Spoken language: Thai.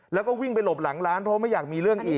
แล้วก็วิ่งไปหลบหลังร้านเพราะไม่อยากมีเรื่องอีก